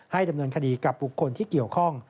ดำเนินคดีกับบุคคลที่เกี่ยวข้อง